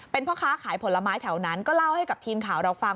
เป็นพ่อค้าขายผลไม้แถวนั้นก็เล่าให้กับทีมข่าวเราฟัง